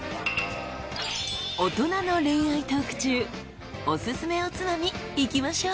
大人の恋愛トーク中オススメおつまみいきましょう。